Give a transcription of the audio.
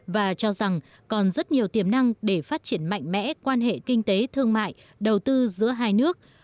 và cho rằng còn rất nhiều tiềm năng để phát triển mạnh mẽ quan hệ kinh tế thương mại đầu tư giữa hai nước